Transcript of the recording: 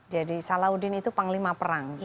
jadi salahuddin itu panglima perang